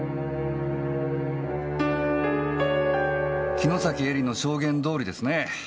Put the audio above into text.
城崎愛梨の証言どおりですね。